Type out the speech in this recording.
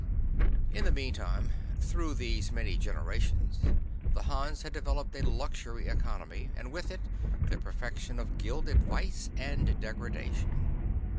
In the meantime, through these many generations, the Hans had developed a luxury economy, and with it the perfection of gilded vice and degradation.